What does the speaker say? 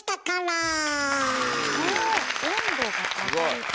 すごい。